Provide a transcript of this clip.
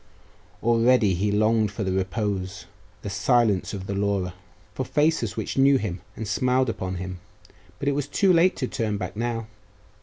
Already he longed for the repose, the silence of the Laura for faces which knew him and smiled upon him; but it was too late to turn back ow.